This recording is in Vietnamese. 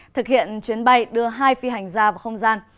thực hiện chuyến bay đưa hai phi hành gia vào không gian